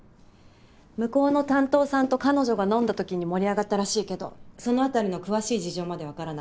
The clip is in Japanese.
向こうの担当さんと彼女が飲んだ時に盛り上がったらしいけどその辺りの詳しい事情までわからない。